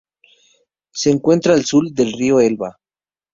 Se encuentra al sur del río Elba.